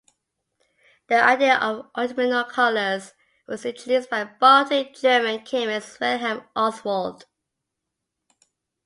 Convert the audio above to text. The idea of optimal colors was introduced by the Baltic German Chemist Wilhelm Ostwald.